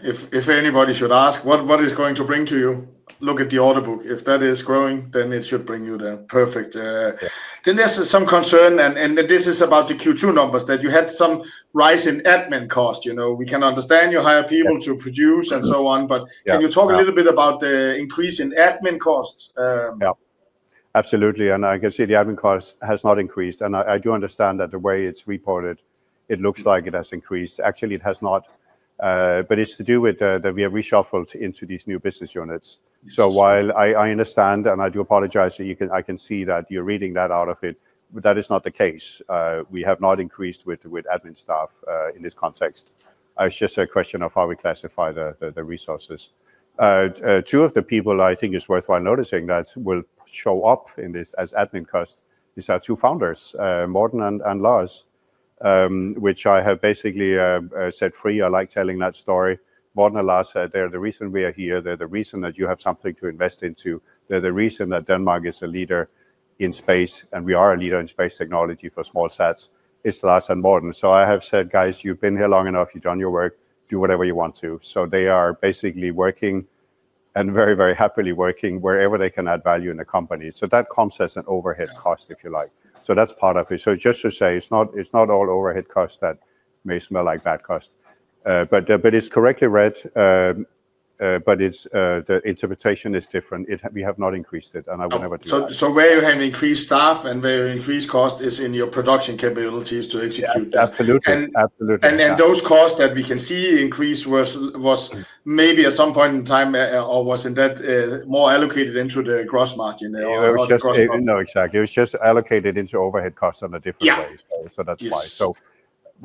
If anybody should ask what it's going to bring to you, look at the order book. If that is growing, it should bring you. Yeah There's some concern, and this is about the Q2 numbers, that you had some rise in admin cost. We can understand you hire people to produce and so on. Yeah Can you talk a little bit about the increase in admin costs? Absolutely, I can see the admin cost has not increased, and I do understand that the way it's reported, it looks like it has increased. Actually, it has not. It's to do with that we have reshuffled into these new business units. While I understand, and I do apologize, I can see that you're reading that out of it, but that is not the case. We have not increased with admin staff, in this context. It's just a question of how we classify the resources. Two of the people I think is worthwhile noticing that will show up in this as admin cost is our two founders, Morten and Lars, which I have basically set free. I like telling that story. Morten and Lars, they're the reason we are here. They're the reason that you have something to invest into. They're the reason that Denmark is a leader in space, and we are a leader in space technology for small sats, is Lars and Morten. I have said, "Guys, you've been here long enough. You've done your work. Do whatever you want to." They are basically working, and very, very happily working wherever they can add value in the company. That comes as an overhead cost, if you like. That's part of it. Just to say, it's not all overhead costs that may smell like bad cost. It's correctly read, but the interpretation is different. We have not increased it, and I would never do that. Where you have increased staff and where you increased cost is in your production capabilities to execute that. Yeah, absolutely. Absolutely, yeah. Those costs that we can see increase was maybe at some point in time, or wasn't that more allocated into the gross margin? No, exactly. It was just allocated into overhead costs on a different way. Yeah. That's why.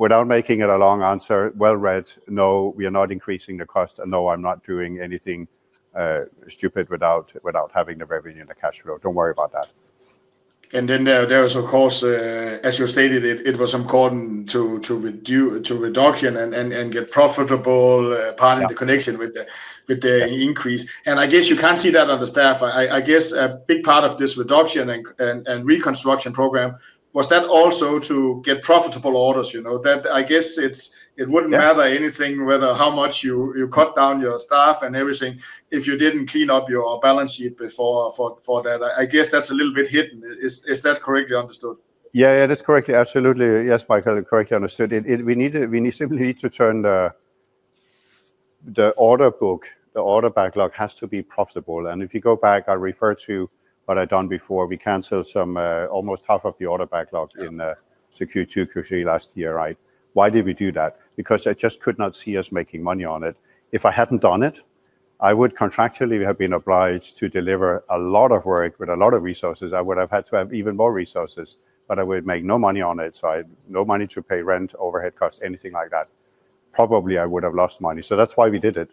Yes. Without making it a long answer, well read. No, we are not increasing the cost, and no, I'm not doing anything stupid without having the revenue and the cash flow. Don't worry about that. There is, of course, as you stated, it was important to reduction and get profitable part in the connection with the increase. I guess you can't see that on the staff. I guess a big part of this reduction and reconstruction program, was that also to get profitable orders? That I guess it wouldn't matter anything whether how much you cut down your staff and everything if you didn't clean up your balance sheet before for that. I guess that's a little bit hidden. Is that correctly understood? Yeah. That's correctly. Absolutely. Yes, Michael, correctly understood. We need simply to turn the order book, the order backlog has to be profitable. If you go back, I refer to what I'd done before. We canceled almost half of the order backlogs in the Q2, Q3 last year, right? Why did we do that? I just could not see us making money on it. If I hadn't done it, I would contractually have been obliged to deliver a lot of work with a lot of resources. I would have had to have even more resources, but I would make no money on it. No money to pay rent, overhead costs, anything like that. Probably I would have lost money. That's why we did it,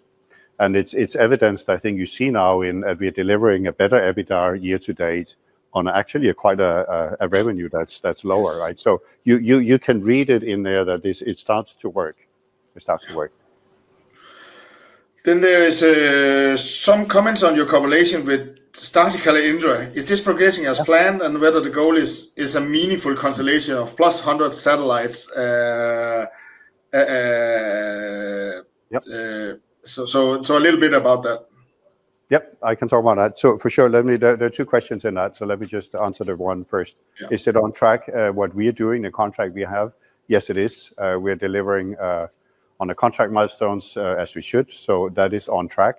and it's evidenced, I think you see now in we're delivering a better EBITDA year to date on actually quite a revenue that's lower, right? Yes. You can read it in there that it starts to work. It starts to work. There is some comments on your correlation with Startical Indra. Is this progressing as planned, and whether the goal is a meaningful constellation of plus 100 satellites? Yep. A little bit about that. Yep, I can talk about that. For sure. There are two questions in that, let me just answer the one first. Yeah. Is it on track? What we are doing, the contract we have, yes, it is. We are delivering on the contract milestones as we should, so that is on track.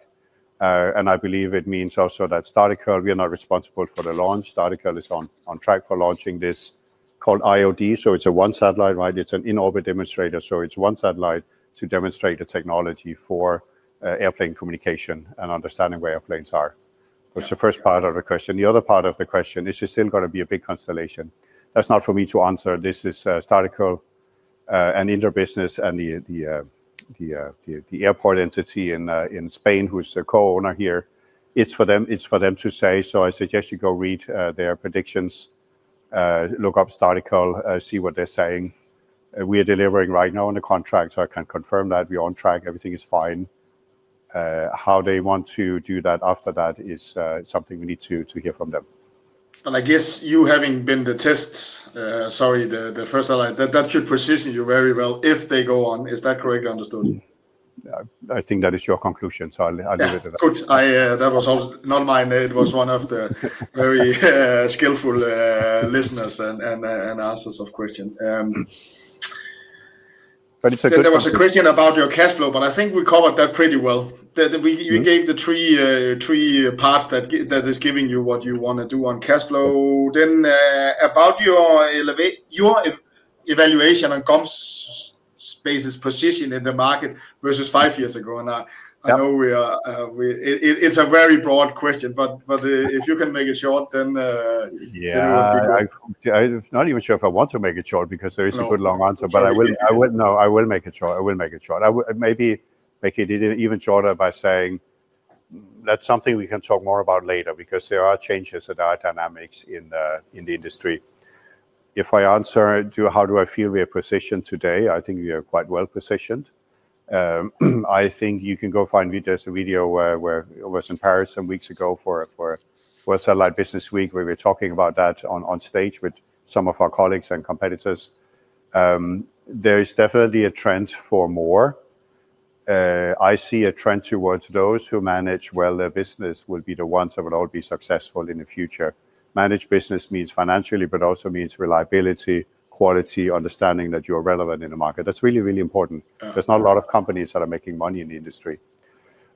I believe it means also that Startical, we are not responsible for the launch. Startical is on track for launching this called IOD. It's a one satellite, right? It's an in-orbit demonstrator, so it's one satellite to demonstrate the technology for airplane communication and understanding where airplanes are. Yeah. That's the first part of the question. The other part of the question, is this then going to be a big constellation? That's not for me to answer. This is Startical, an Indra business, and the airport entity in Spain who's the co-owner here. It's for them to say. I suggest you go read their predictions, look up Startical, see what they're saying. We are delivering right now on the contract. I can confirm that we are on track. Everything is fine. How they want to do that after that is something we need to hear from them. I guess you having been the first satellite, that should position you very well if they go on. Is that correctly understood? I think that is your conclusion, so I'll leave it at that. Yeah. Good. That was also not mine. It was one of the very skillful listeners and answers of question. It's a good question. There was a question about your cash flow, but I think we covered that pretty well. We gave the three parts that is giving you what you want to do on cash flow. About your evaluation on GomSpace's position in the market versus five years ago now. Yeah. I know it's a very broad question, but if you can make it short, then it would be good. Yeah. I'm not even sure if I want to make it short because there is a good long answer. No. I will make it short. I will make it short. I maybe make it even shorter by saying that's something we can talk more about later because there are changes and there are dynamics in the industry. If I answer to how do I feel we are positioned today, I think we are quite well-positioned. I think you can go find there's a video where I was in Paris some weeks ago for World Satellite Business Week, where we were talking about that on stage with some of our colleagues and competitors. There is definitely a trend for more. I see a trend towards those who manage well their business will be the ones that will all be successful in the future. Manage business means financially, but also means reliability, quality, understanding that you are relevant in the market. That's really, really important. Yeah. There's not a lot of companies that are making money in the industry.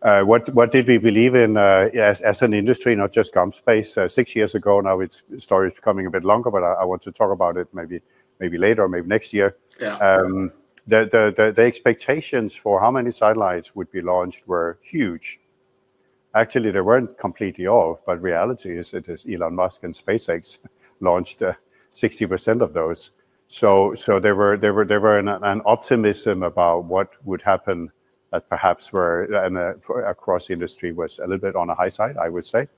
What did we believe in as an industry, not just GomSpace, six years ago now? The story is becoming a bit longer, but I want to talk about it maybe later or maybe next year. Yeah. The expectations for how many satellites would be launched were huge. Actually, they weren't completely off. Reality is that as Elon Musk and SpaceX launched 60% of those. There were an optimism about what would happen that perhaps were, and across the industry, was a little bit on the high side, I would say.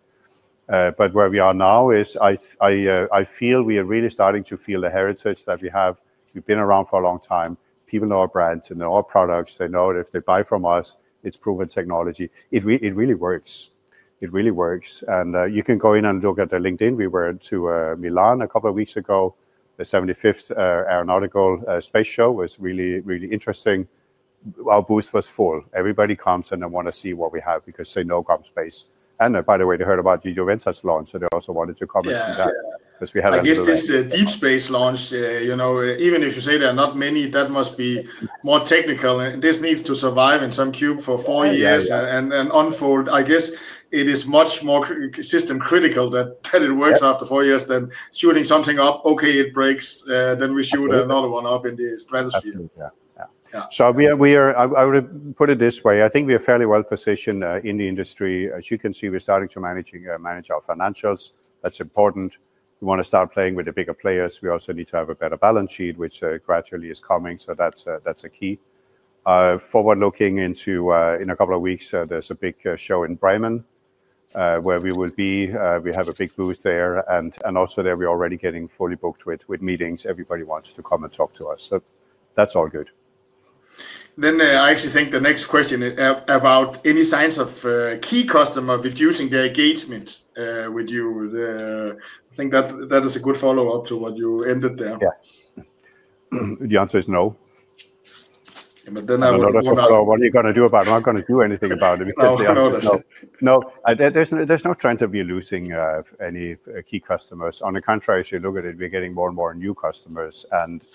Where we are now is I feel we are really starting to feel the heritage that we have. We've been around for a long time. People know our brands and they know our products. They know that if they buy from us, it's proven technology. It really works. You can go in and look at the LinkedIn. We were to Milan a couple of weeks ago, the 75th Aeronautical Space Show was really, really interesting. Our booth was full. Everybody comes and they want to see what we have because they know GomSpace. By the way, they heard about Juventas launch, so they also wanted to come and see that. Yeah We had a delay. I guess this deep space launch, even if you say there are not many, that must be more technical. This needs to survive in some cube for four years. Oh, yeah Unfold. I guess it is much more system critical that it works after four years than shooting something up. It breaks, then we shoot another one up in the stratosphere. Absolutely. Yeah. Yeah. I would put it this way. I think we are fairly well-positioned in the industry. As you can see, we're starting to manage our financials. That's important. We want to start playing with the bigger players. We also need to have a better balance sheet, which gradually is coming. That's a key. Forward looking into in a couple of weeks, there's a big show in Bremen, where we will be. We have a big booth there, and also there we are already getting fully booked with meetings. Everybody wants to come and talk to us, that's all good. I actually think the next question about any signs of a key customer reducing their engagement with you there. I think that is a good follow-up to what you ended there. Yeah. The answer is no. But then I would- What are you going to do about it? I'm not going to do anything about it because the answer is no. No. No. There's no trend of we losing any key customers. On the contrary, as you look at it, we're getting more and more new customers, and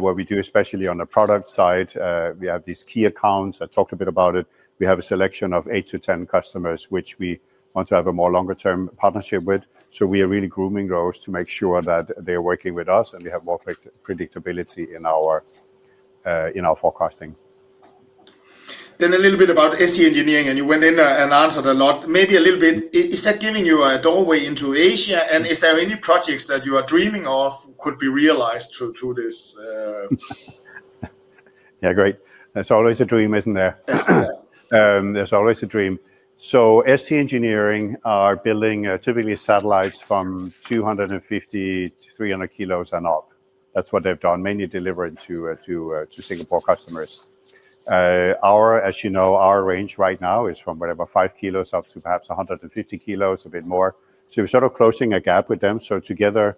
what we do, especially on the product side, we have these key accounts. I talked a bit about it. We have a selection of eight to 10 customers, which we want to have a more longer-term partnership with. We are really grooming those to make sure that they're working with us and we have more predictability in our forecasting. A little bit about ST Engineering, and you went in and answered a lot. Maybe a little bit, is that giving you a doorway into Asia and is there any projects that you are dreaming of could be realized through this? Yeah. Great. There's always a dream, isn't there? There's always a dream. ST Engineering are building typically satellites from 250-300 kilos and up. That's what they've done, mainly delivering to Singapore customers. As you know, our range right now is from whatever, five kilos up to perhaps 150 kilos, a bit more. We're sort of closing a gap with them. Together,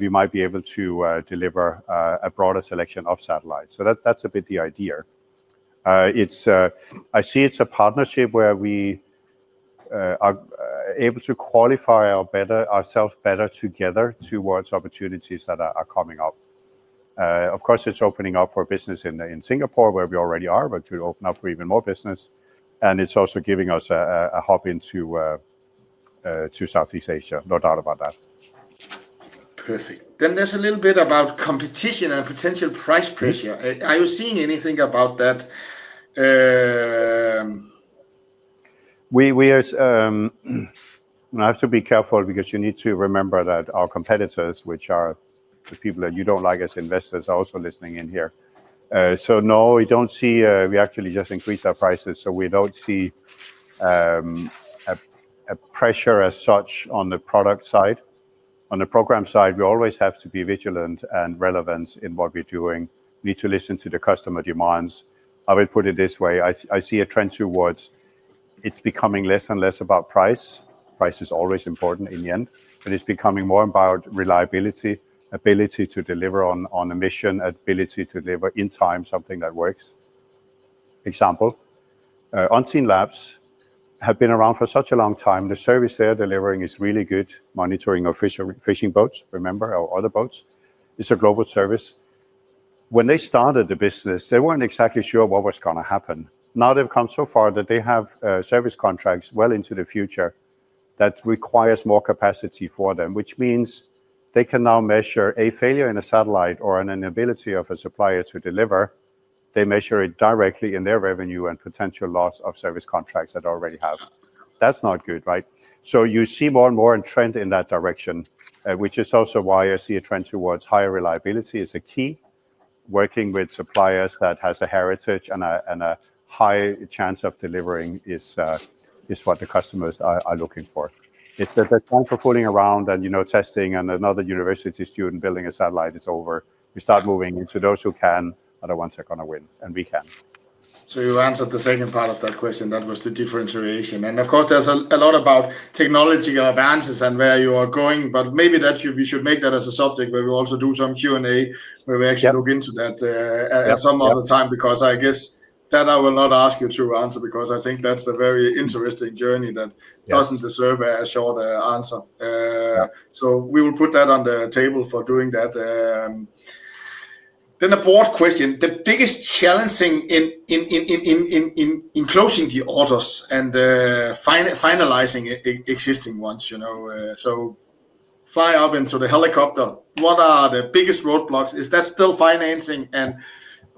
we might be able to deliver a broader selection of satellites. That's a bit the idea. I see it's a partnership where we are able to qualify ourself better together towards opportunities that are coming up. Of course, it's opening up for business in Singapore where we already are, but to open up for even more business, and it's also giving us a hop into Southeast Asia. No doubt about that. Perfect. There's a little bit about competition and potential price pressure. Are you seeing anything about that? I have to be careful because you need to remember that our competitors, which are the people that you do not like as investors, are also listening in here. No, we actually just increased our prices, so we do not see a pressure as such on the product side. On the program side, we always have to be vigilant and relevant in what we are doing. We need to listen to the customer demands. I will put it this way, I see a trend towards it is becoming less and less about price. Price is always important in the end, it is becoming more about reliability, ability to deliver on a mission, ability to deliver in time, something that works. Example, Unseenlabs have been around for such a long time. The service they are delivering is really good, monitoring fishing boats, remember? Other boats. It is a global service. When they started the business, they weren't exactly sure what was going to happen. Now they've come so far that they have service contracts well into the future that requires more capacity for them, which means they can now measure a failure in a satellite or an inability of a supplier to deliver. They measure it directly in their revenue and potential loss of service contracts that already have. That's not good, right? You see more and more a trend in that direction, which is also why I see a trend towards higher reliability is a key. Working with suppliers that has a heritage and a high chance of delivering is what the customers are looking for. It's that they're done for fooling around and testing, and another university student building a satellite is over. We start moving into those who can, are the ones are going to win. We can. You answered the second part of that question, that was the differentiation. Of course, there's a lot about technology advances and where you are going, but maybe we should make that as a subject where we also do some Q&A. Yeah look into that at some other time, because I guess that I will not ask you to answer because I think that's a very interesting journey. Yes Doesn't deserve a short answer. Yeah. We will put that on the table for doing that. The fourth question, the biggest challenging in closing the orders and finalizing existing ones. Fly up into the helicopter, what are the biggest roadblocks? Is that still financing, and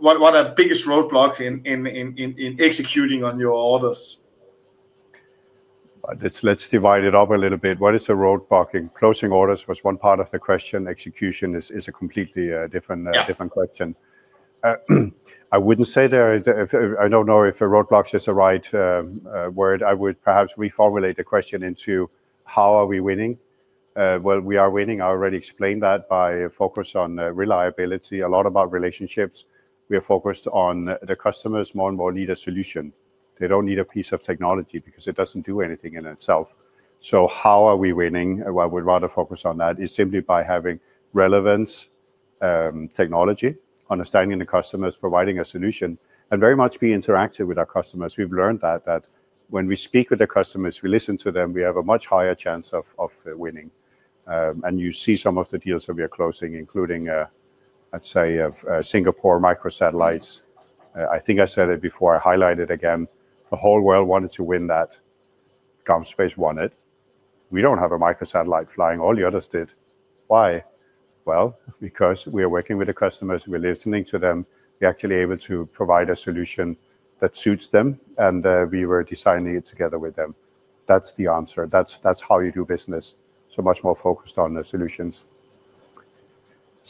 what are biggest roadblocks in executing on your orders? Let's divide it up a little bit. What is the roadblock in closing orders was one part of the question. Execution is a completely different question. I don't know if a roadblock is the right word. I would perhaps reformulate the question into how are we winning? Well, we are winning, I already explained that, by focus on reliability, a lot about relationships. We are focused on the customers more and more need a solution. They don't need a piece of technology, because it doesn't do anything in itself. How are we winning? Well, I would rather focus on that, is simply by having relevant technology, understanding the customers, providing a solution, and very much be interactive with our customers. We've learned that when we speak with the customers, we listen to them, we have a much higher chance of winning. You see some of the deals that we are closing, including, let's say Singapore microsatellites. I think I said it before, I highlight it again. The whole world wanted to win that. GomSpace won it. We don't have a microsatellite flying, all the others did. Why? Well, because we are working with the customers, we're listening to them, we're actually able to provide a solution that suits them, and we were designing it together with them. That's the answer. That's how you do business. Much more focused on the solutions.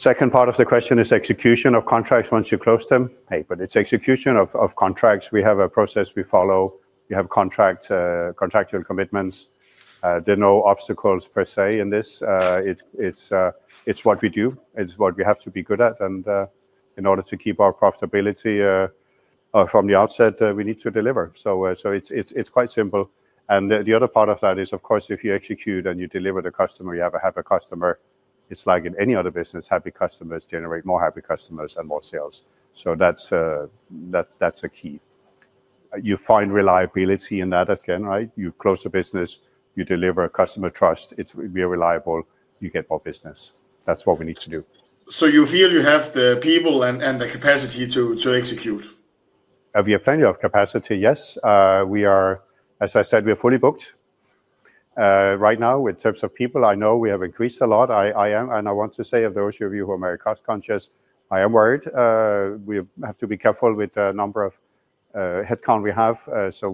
Second part of the question is execution of contracts once you close them. It's execution of contracts. We have a process we follow. We have contractual commitments. There are no obstacles per se in this. It's what we do. It's what we have to be good at. In order to keep our profitability from the outset, we need to deliver. It's quite simple. The other part of that is, of course, if you execute and you deliver the customer, you have a happy customer. It's like in any other business, happy customers generate more happy customers and more sales. That's a key. You find reliability in that again. You close the business, you deliver, customer trust. We are reliable. You get more business. That's what we need to do. You feel you have the people and the capacity to execute? We have plenty of capacity, yes. As I said, we are fully booked. Right now in terms of people, I know we have increased a lot. I want to say, of those of you who are very cost conscious, I am worried. We have to be careful with the number of headcount we have.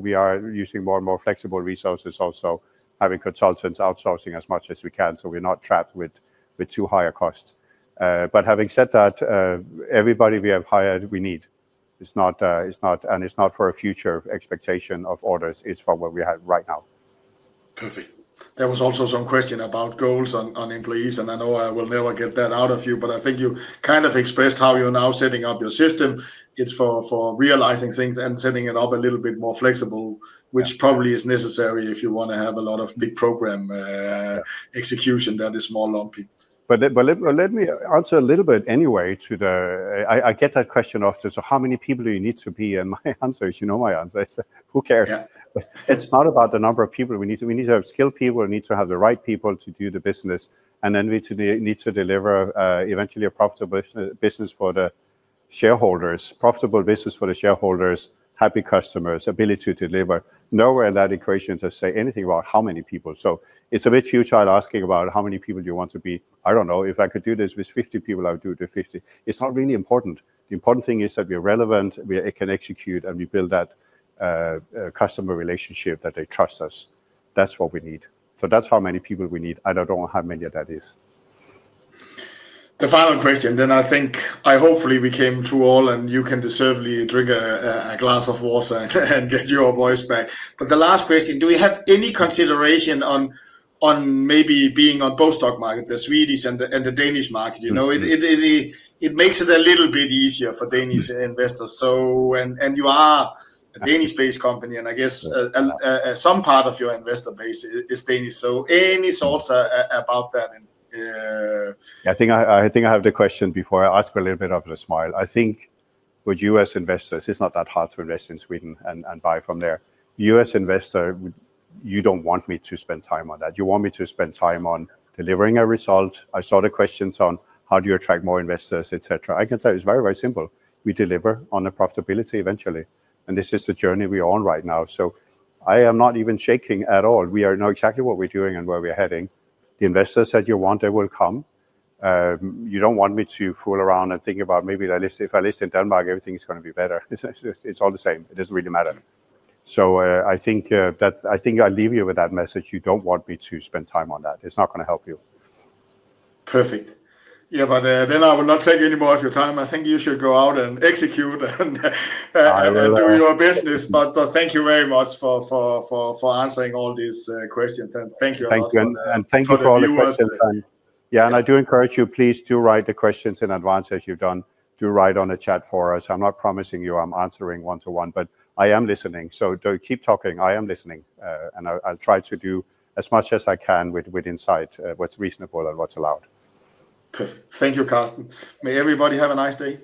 We are using more and more flexible resources also, having consultants outsourcing as much as we can, so we're not trapped with too higher cost. Having said that, everybody we have hired, we need. It's not for a future expectation of orders, it's for what we have right now. Perfect. There was also some question about goals on employees. I know I will never get that out of you, but I think you kind of expressed how you're now setting up your system. It's for realizing things and setting it up a little bit more flexible, which probably is necessary if you want to have a lot of big program execution that is more lumpy. Let me answer a little bit anyway. I get that question often. How many people do you need to be? My answer is, you know my answer. I say, "Who cares? Yeah. It's not about the number of people. We need to have skilled people. We need to have the right people to do the business. Then we need to deliver eventually a profitable business for the shareholders. Profitable business for the shareholders, happy customers, ability to deliver. Nowhere in that equation does say anything about how many people. It's a bit futile asking about how many people do you want to be. I don't know. If I could do this with 50 people, I would do it with 50. It's not really important. The important thing is that we are relevant, we can execute, and we build that customer relationship that they trust us. That's what we need. That's how many people we need. I don't know how many that is. The final question, I think hopefully we came through all, and you can deservedly drink a glass of water and get your voice back. The last question, do we have any consideration on maybe being on both stock market, the Swedish and the Danish market? It makes it a little bit easier for Danish investors. You are a Danish-based company, and I guess some part of your investor base is Danish. Any thoughts about that? I think I have the question before. I ask with a little bit of a smile. I think with you as investors, it's not that hard to invest in Sweden and buy from there. You as investor, you don't want me to spend time on that. You want me to spend time on delivering a result. I saw the questions on how do you attract more investors, et cetera. I can tell you it's very simple. We deliver on the profitability eventually. This is the journey we are on right now. I am not even shaking at all. We know exactly what we're doing and where we're heading. The investors that you want, they will come. You don't want me to fool around and think about maybe if I list in Denmark, everything's going to be better. It's all the same. It doesn't really matter. I think I leave you with that message. You don't want me to spend time on that. It's not going to help you. Perfect. I will not take any more of your time. I think you should go out and execute and do your business. Thank you very much for answering all these questions. Thank you a lot for the viewers. Thank you. Thank you for all the questions. Yeah, I do encourage you, please do write the questions in advance as you've done. Do write on the chat for us. I'm not promising you I'm answering one-to-one, but I am listening, so do keep talking. I am listening. I'll try to do as much as I can with insight, what's reasonable and what's allowed. Perfect. Thank you, Carsten. May everybody have a nice day.